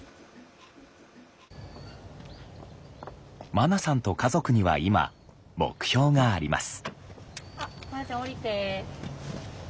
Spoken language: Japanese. まなさんと家族には今目標があります。